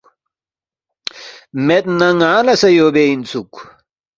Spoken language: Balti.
مید نہ ن٘انگ لہ سہ یو بے اِنسُوک